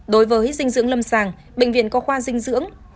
đối với dinh dưỡng lâm sàng bệnh viện có khoa dinh dưỡng